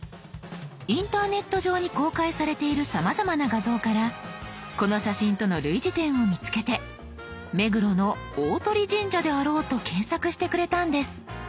インターネット上に公開されているさまざまな画像からこの写真との類似点を見つけて目黒の大鳥神社であろうと検索してくれたんです。